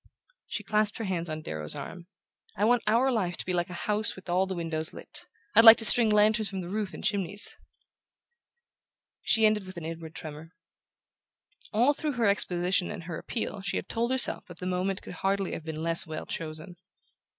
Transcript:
She clasped her hands on Darrow's arm. "I want our life to be like a house with all the windows lit: I'd like to string lanterns from the roof and chimneys!" She ended with an inward tremor. All through her exposition and her appeal she had told herself that the moment could hardly have been less well chosen.